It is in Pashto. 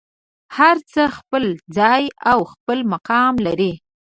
هر څه خپل ځای او خپل مقام لري.